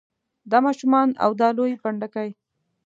دا ماشومان او دا لوی پنډکی.